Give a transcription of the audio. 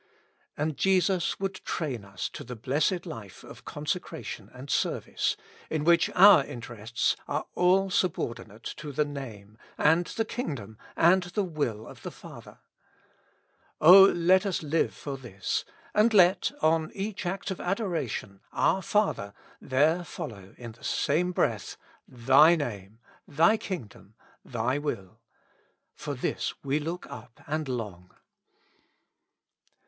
And Jesus would train us to the blessed life of conse cration and service, in which our interests are all subordinate to the Name, and the Kingdom, and the Will of the Father. O let us live for this, and let, on each act of adoration. Our Father ! there follow in the same breath, T/iy Name, T/iy Kingdom, T/iy Will ;— for this we look up and long.